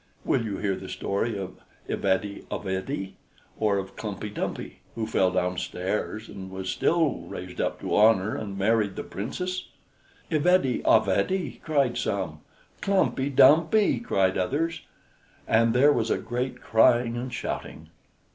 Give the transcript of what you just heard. Will you hear the story of Ivede Avede, or of Klumpey Dumpey, who fell downstairs, and still was raised up to honor and married the Princess?" "Ivede Avede!" cried some, "Klumpey Dumpey!" cried others, and there was a great crying and shouting.